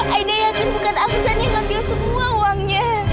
aida yakin bukan aksan yang ngambil semua uangnya